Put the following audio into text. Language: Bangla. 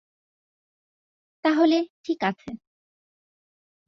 তাহলে, ঠিক আছে।